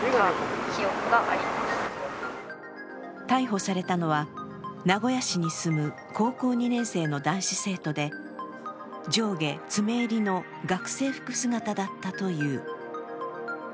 逮捕されたのは名古屋市に住む高校２年生の男子生徒で上下詰め襟の学生服姿だったという。